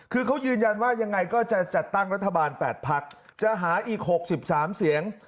คือเขายืนยันว่ายังไงก็จะจัดตั้งรัฐบาล๘พักจะหาอีก๖๓เสียง